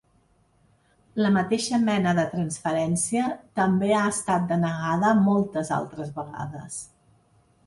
La mateixa mena de transferència també ha estat denegada moltes altres vegades.